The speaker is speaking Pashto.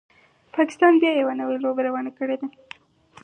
پاکستان بیا یوه نوي لوبه روانه کړي